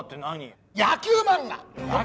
野球漫画？